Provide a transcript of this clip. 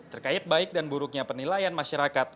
terkait baik dan buruknya penilaian masyarakat